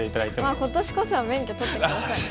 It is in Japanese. まあ今年こそは免許取って下さい。